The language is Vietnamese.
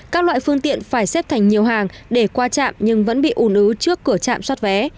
các loại phương tiện phải xếp thành nhiều hàng để qua trạm nhưng vẫn bị ủn ứ trước cửa trạm xoát vé